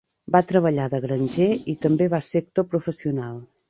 Va treballar de granger i també va ser actor professional.